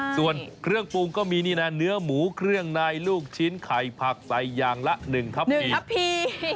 ส่วนเครื่องปรุงก็มีนี่นะเนื้อหมูเครื่องในลูกชิ้นไข่ผักใส่อย่างละ๑ทับที